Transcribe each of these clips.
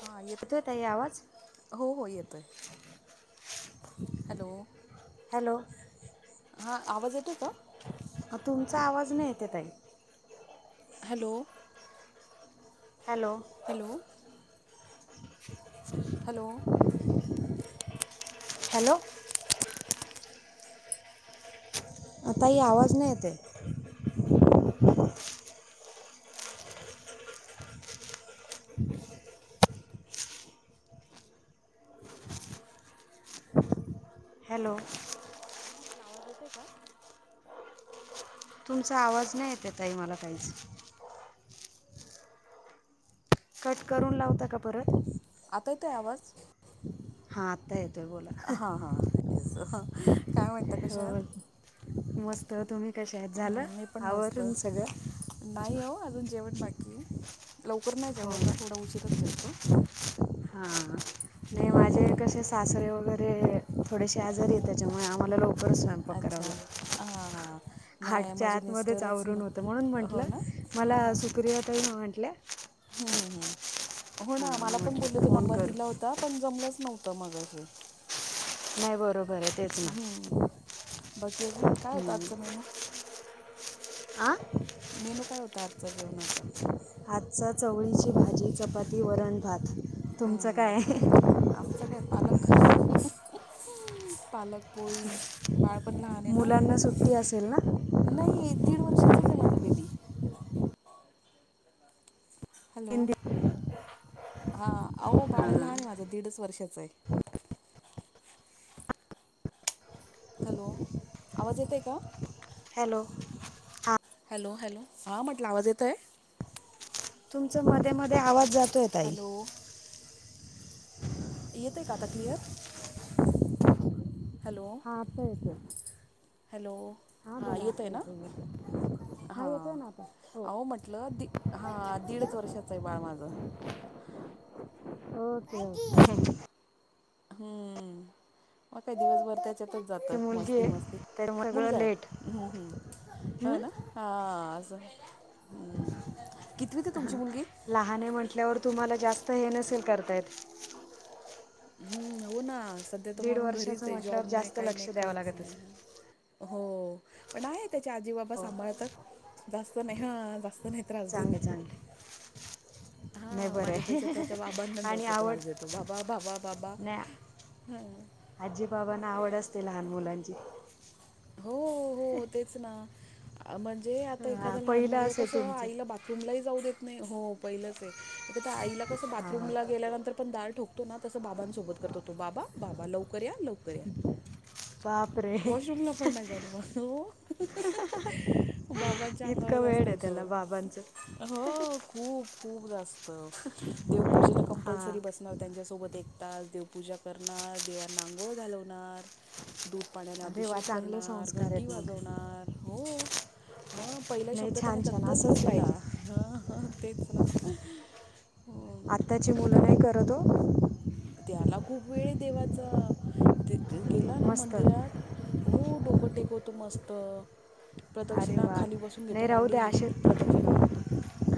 हा येत, येतोय ताई आवाज हो हो येतोय, हॅलो. हॅलो! हा आवाज येतोय का? अ तुमचा आवाज नही येत ये ताई. Hello! Hello! Hello! [inaudible] Hello! Hello! अ ताई आवाज नाही येत ये. Hello hello! हॅलो! हा म्हटलं आवाज येतोय का? तुमचा आवाज नाही येतये ताई मला काहीच. कट करून लावता का परत? आता येतोय आवाज? हा आत्ता येतोय बोला हां हां येस हां काय म्हणता कशा हो. आहात मस्त तुम्ही कश्या आहेत, झालं हम्म, मी पण मस्त आवरून सगळं? नाही हो, अजून जेवण बाकीय, लवकर नाही हो जेवत ना, थोडं उशीरच जेवतो. हा, नाही माझे हम्म, कसे सासरे वगैरे, थोडेसे आजारी आहेत, त्याच्यामुळे आम्हाला लवकरच स्वयंपाक करावा अच्छा हां हां लागतों. नाही आटच्या माझे आतमध्येच मिस्टरच ना आवरून होतं, म्हणून म्हटलं हो ना हां मला सुक्रियाताई म्हटल्या. ह् हम ह्म, हो हां ना मला मग पण म्हटलं बोलले होते, फोन नंबर करू दिला होता, पण जमलंच नव्हतं मगाशी. नाही बरोबर आहे. तेच ना ह्म,, बाकी अजून, काय होतं आजचा मेनू? आऽ मेनू काय होता आजच्या जेवणात आजचा चवळीची भाजी चपाती वरण भात तुमचं काय हम आहे? आमचां काय पालक [unintelligible] पालक पोळी बाळ पण लहान आहे ना मुलांना सुट्टी असेल ना नाही दीड वर्षाचच आहे माझं बेबी हिंदी हा अहो बाळ लाहान आहे माझं दीडच वर्षाच आहे. हॅलो आवाज येत आहे का? हॅलो हॅलो हॅलो हां म्हटलं आ वावाज येत आहे. तुमचा मध्ये मध्ये आवाज जातोय ताई हॅलो येते का आता क्लिअर हॅलो हाता आता येतोय हॅलो हां येतोय ना आहे येतो हां येतो आहे ना आता हो अहो म्हटलं दि हा दीडच वर्षाचं आहे बाळ माझं ओके ओके हम्म मग काय दिवसभर त्याच्यात ती जात मुलगी मस्ती आहे मस्ती त्याच्यामुळे सगळं मुलगा लेट आहे् ह ह हं? हो ना हांअस ह कितवीत आहे तुमची मुलगी लहान आहे म्हटल्यावर तुम्हाला जास्त हे नसेल करतायेत हम्म हो ना सध्या तर दीड म्हणून घरीच वर्षाचं आहे म्हटल्यावर जॉब नाही जास्त काही नाही लक्ष द्यावं काहीच लागत असेल नाही. हो पण आहेत. त्याचे आजी बाबा हो सांभाळतात ह जास्त नाही हा जास्त नाही त्रास देत. चांगले चांगले नाही हा बरं आहे माझ्यापेक्षा त्याच्या बाबांना आणि जास्त आवड त्रास देतो बाबा बाबा बाबा हा आजीबाबांना आवड असते लहान मुलांची हो हो तेच ना म्हणजे आता हां एखादा लहान पहिलं मुलग असेल कस तुमचं आईला बात बाथरूमलाही जाऊ देत नाही हो पहिलंच आहे आ त्या आईला कसं हां हां बाथरूमला गेल्यानंतर पण दार ठोकतो तो ना तस बाबांसोबत करतो तो बाबा बाबा लवकर या लवकर या बाप रे वॉशरूमला पण नाही जात मग हो [unintelligible] बाबांच्या ईतक अंगावर जास्त वेड आहे येतो त्याल्याला वाबनच हो खूप खूप जास्त देवपूजेला हां कंपल्सरी बसणार त्यांच्यासोबत एक तास देवपूजा करणार देवाना आंघोळ घालवणार दूध पाण्याने अरे वा अभिषेक चांगले करणार संस्कार घंटी आहेत मग वाजवणार हो मग पहिला नाही शब्द त्याने छान छान दत्तच असंच बोललेल पाहिजे [unintelligible] तेच ना हो आत्ताची मुलं त्याला नाही करत हो त्याला खूप वेळहे देवाचा गेला ना म मस्त हो डोकं टेकवतो मस्त अरे प्रदक्षिणा वा खाली बस घेतो नाही राहू मांडी घालून प्रदक्षिणा मारतो.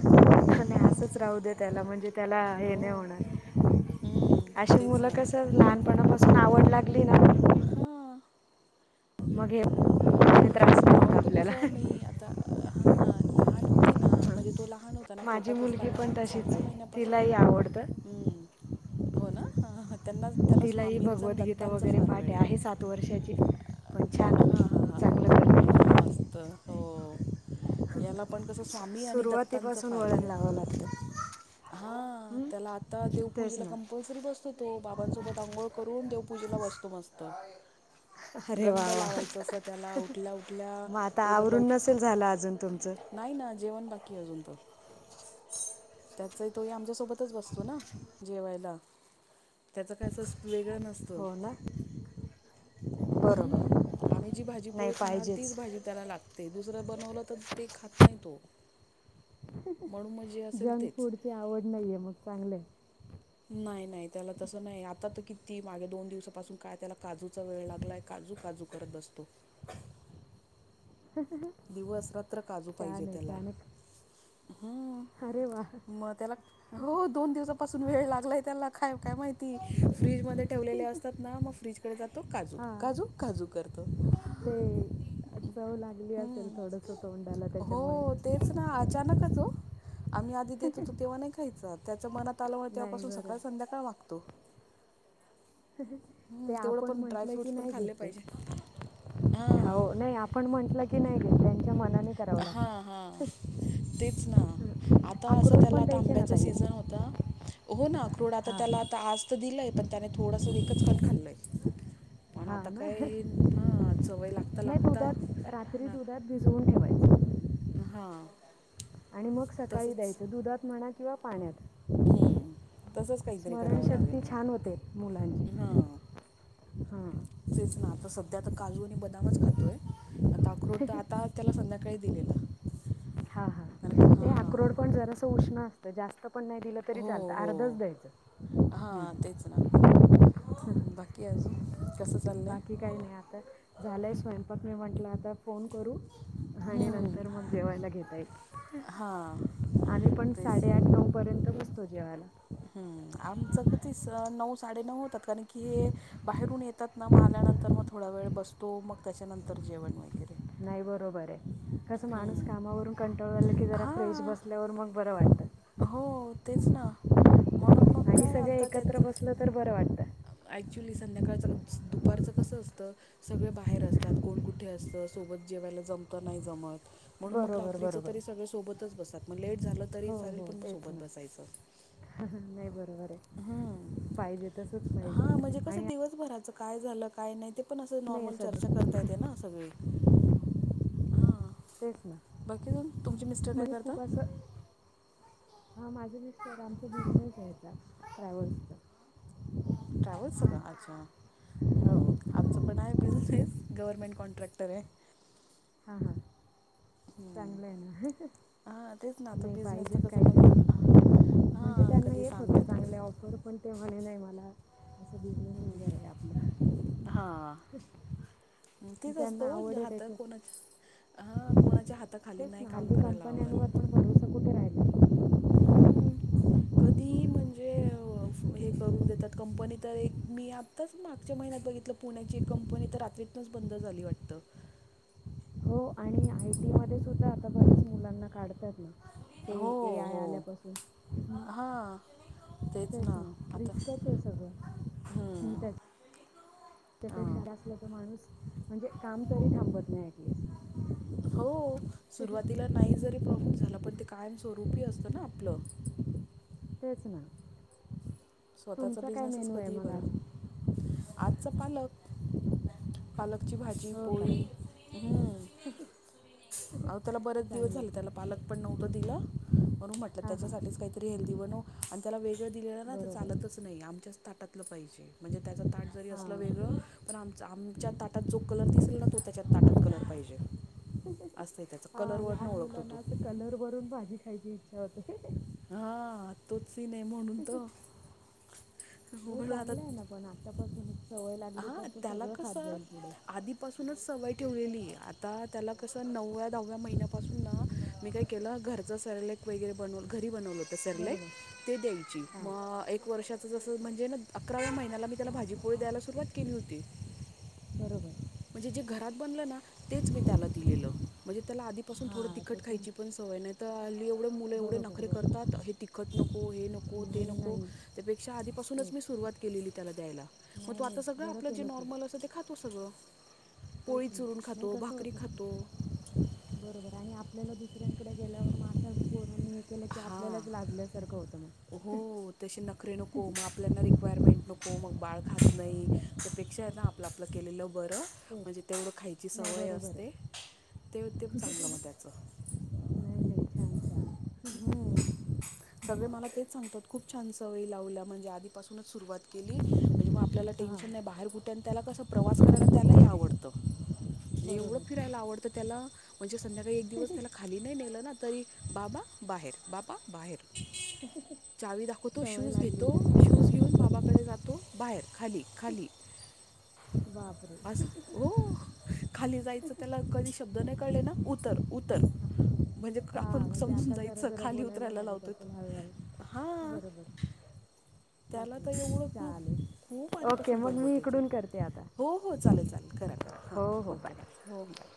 खं नाही हम्म, असच राहू दे त्याला म्हणजे त्याला हे हो नाही होणार. हम्म तेच त्याला ना कसं लहानपणापासून आवड लागली ना. हा मग हे किती त्रास [unintelligible] होता आपल्याला. त हा लहान होती ना म्हणजे तो लहान हो ता ना माझी पोटात मुलगी असताना पण तशीच सहाव्या आहे महिन्यापासून तिलाही आवडतं हो ना त्यांना त्याला तिलाही स्वामींचं आणि भगवद्गीता दत्तांचं वगैरे फार पाठ वेळ आहे. सात वर्षाची पण छान हां हां चांगलं हां करते मस्त हो याला पण कसं स्वामी आणि दत्तांचं सुरुवातीपासून फार वळण वेळ लावावं लागतं हाय. हा हं? त्याला आता तेच देवपूजेला ना कंपल्सरी बसतो तो बाबांसोबत आंघोळ करून देवपूजेला बसतो मस्त. अरे वा गंध वा लावायचं असतं त्याला उठल्या उठल्या मग आता तो जर आवरून लवक नसेल झालं अजून तुमचं? नाही ना जेवण बाकी आहे अजून तर त्याचही तोही आमच्या सोबतच बसतो ना जेवायला. त्याचं काय असं वेगळं नस हो ना हम्म बरोबर आम्ही जी भाजी नाही पोळी खाणार पाहिजेच तीच भाजी त्याला लागते दुसरं बनवलं तर ते खात नाही तो म्हणून म जे असेल जंक तेच फूडची आवड नाहीये मग चांगलहे. नाही नाही त्याला तसं नाही आता तर किती मागे दोन दिवसापासून काय त्याला काजूचा वेळ लागलाय काजू काजू करत बसतो. दिवस रात्र काजू पाहिजे छान आहे त्याला. छान आहे अरे वा हम्म मग त्याला हो दोन दिवसा पासून वेळ लागला आहे त्याला काय काय माहिती फ्रीजमध्ये ठेवलेले असतात ना मग फ्रीजकडे जातो काजू हां काजू काजू करतो. ते चव लागली असेल हम्म. थोडंसं तोंडाला त्याच्यामुळे? हो तेच ना अचानकच हो आम्ही आधी देत होतो तेव्हा नाही खायचा त्याच्या मनात आल्यामुळे नाही तेव्हापासून बरं सकाळ संध्याकाळ मागतो. हम्म, ते तेवढं आपण पण म्हंटलं की ड्रायफ्रूट्स पण नाही घेत खाल्ले ते पाहिजे हां. हो नाही आप ण म्हटलं की नाही घेत त्यांच्या मा हा हा तेच ना हां आता असं अक्रोड त्याला पण आता द्यायचे ना आंब्याचं सीझन ताई होता हो ना आक्रोड आता हां त्याला आता आज तर दिलंय पण त्याने थोडंसं एकच कण खाल्लय. पण हां आता ना काय ईल सवय लागता नाही लागता दुधात रात्री दुधात भिजवून ठेवायचं. हा आणि मग सकाळी द्यायचं दुधात म्हणा किंवा पाण्यात हं. तसंच काहीतरी करावं लागेल स्मरणशक्ती मग. छान होते मुलांची. [inaudible] हा तेच ना आता सध्या आता काजू आणि बदामच खातोय आता अक्रोड त आता त्याला संध्याकाळी दिलेलं त्यानं खा आक्रोड पण जरासं उष्ण असत जास्त पण नाही दिलं तरी हो, चालतं हो. आर्धच द्यायचं. हां, तेच ना. बाकी आजून कसं चाललंय? बाकी काही नाही आता झालाय स्वयंपाक म म्हटलं आता फोन करू. आणि नंतर मग जेवायला घेता येईल. हा. आम्ही पण साडेआठ नऊपर्यंत बसतो जेवायला. हम्म आमचं कधी नऊ साडे नऊ होतात कारण की हे बाहेरून येतात ना मग आल्यानंतर मग थोडा वेळ बस तो मग त्याच्यानंतर जेवण वगैरे. नाही बरोबर आहे कसं माणूस हम्म. कामावरून कंटाळु आलं की जरा फ्रेश हां बस ल्यावर मग बरं वाटतं. हो तेच ना. म्हणून मग आणि काय सगळे एकत्र बसलं तर बरं वाटतं. ऍक्च्युली संध्याकाळचं दुपारचं कसं असतं सगळे बाहेर असतात कोण कुठे असतं सोबत जेवायला जमतं नाही जमत म्हणून मग बरोबर रात्रीच बरोबर तरी सगळे सोबतच बसतात, मग लेट झालं तरी हो चालेल हो पण मग तेच सोबत ना बसायचं. नाही बरोबर आहे. हम्म, पाहिजे तसंच हा पाहिजे म्हणजे कसं आणि दिवसभराचं काय झालं काय नाही ते पण असं नाही आहे नॉर्मल चर्चा करता सध्या येते ना सगळी. हां तेच ना बाकी, तुम तुमचे मिस्टर काय म्हणजे करता? हा माझे मिस्टर आमचा बिझनेस आहे हेचा ट्रॅव्हल्सचा. ट्रॅव्हल्सच का? अच्छा. हम्म, हो आमचं पण आहे बिझनेस गव्हरमेंट कॉन्ट्रॅक्टर आहे. हा हा. हम्म. चांगलं आहे ना. हां तेच ना आता नाही बिझनेसचं पाहिजेच कसं मग कायतरी, म्हणजे हां त्यांना कधी सांगता होत्या येतं कधी चांगल्या ऑफर पण ते म्हणे नाही मला असं बि हम्म हम्म हा. ह. तेच असतं ओ हात कोणा हा कोणाच्या हाता खाली तेच नाही ना काम हल्ली करायला आवडत. कंपन्यांवर पण भरोसा कुठे राहिला हम्म. कधी म्हणजे हे करून देतात कंपनी तर एक मी आत्ताच मागच्या महिन्यात बघितलं पुण्याची एक कंपनी तर रात्रीतनचं बंद झाली वाटतं. हो आणि आय टी मध्ये सुद्धा आता बऱ्याच मुलांना काढतात. ते हो ए आय हो आल्यापासून. हां तेच ना, रिस्कच आहे सगळं हम्म त्याच्या त्यापेक्षा हां [unintelligible] असलं तर माणूस म्हणजे काम तरी थांबवत नाही ऍटलिस्ट. हो सुरुवातीला नाही जरी प्रॉफिट झाला पण ते कायम स्वरूपी असतं ना आपलं. तेच ना. स्वतःचा तुमचा काय बिझनेसच मेनू आहे कधीही मग बरा. आज आजचा पालक, पालकची भाजी हो का पोळी. हा आहो त्याला बरेच दिवस चांगले झाले त्याला पालक पण नव्ह त दिल म्हणून म्हटलं हां हां त्याच्यासाठीच काहीतरी हेल्दी बनवू आणि त्याला वेगळं दिलेलं ना बरोबर चालतच नाही. आमच्याच ताटातलं पाहिजे म्हणजे त्याच ताट जरी असलं वेगळं हां पण आमचा आमच्या ताटात जो कलर दिसेल ना तो त्याच्यात ताटात कलर पाहिजे असय त्याच हा लहान मुलांना असं कलर भरून भाजी खायची इच्छा होते. हा तोच सीन आहे म्हणून तर नाही म्हणून मी आता चांगलं आहे ना पण आत्तापासूनच सवय लागली हा तर तो त्याला सगळं खात कस जाईल पुढे आधी पासूनच सवय ठेवलेली आता त्याला कसं नवव्या दहाव्या महिन्यापासून ना मी काय केलं सेरेलेक वगैरे बनव घरी बनवलं होत सेइलेक बरोबर ते द्यायची हां म एक वर्षात जसं म्हणजे ना अकराव्या महिन्याला मी त्याला भाजी पोळी द्यायला सुरुवात केली होती. बरोबर म्हणजे जे घरात बनलं ना तेच मी त्याला दिलेलं म्हणजे त्याला आधी पासून थोड हां तिखट त्याच्या खायची पण सवय नाहीतर हल्ली एवढं मुलं एवढं न बरोबर बरोबर हे तिखट नको हे नको ते नाही नको नाही त्यापेक्षा आधीपासूनच तेच मी सुरुवात केलेली त्याला द्यायला. मग नाही तो आता नाही सगळं बरं आपलं जे केलं खूप नॉर्मल असं ते खातो सगळं. पोळी तेच ना चुरून नाही खातो, कसं भाकरी होतं खातो. बरोबर आणि आपल्याला दुसऱ्यांकडे गेल्यावर [unintelligible] नाही की हां आपल्यालाच लाजल्यासारखं होतं मग. हो तसे नखरे नको मग आपल्याना रिक्वायरमेंट नको मग बाळ खात नाही. त्याचापेक्षा आहे ना आपलं आपलं केलेलं बरं तेच म्हणजे तेवढं खायची नाही सवय बरोबर असते. आहे ते हो ते चांगलं मग त्याचं. नाही नाही छान छान हम्म. सगळे मला तेच सांगतात खूप छान सवयी लावल्या म्हणजे आधीपासूनच सुरुवात केली. म्हणजे मग आपल्याला हां टेन्शन नाही बाहेर कुठे आणि त्याला कसं प्रवास करायला त्यालाही आवडतं. एवढं बरोबर फिरायला आवडतं त्याला म्हणजे संध्याकाळी एक दिवस त्याला खाली नाही नेलं ना तरी बाबा बाहेर, बाबा बाहेर. चावी दाखवतो सवय शूज लागली घेतो. आहे त्यांना शूज घेऊन बाबाकडे जातो बाहेर खाली खाली. बापरे असं हो. खाली जायच त्याला कधी शब्द नाही कळले ना उतर उतर म्हणजे आपण समजून त्याला जायचं जरा खाली बोलायला उतरायला लागत लावतो असेल हळूहळू हां बरोबर त्याला तेच तर ना एवढं तू चालेल खूप ओके आधीपासून मग बडबड मी त्याची. इकडून करते आता हो हो चालेल चालेल करा करा. हो हां हो ओके बाय. हो बाय.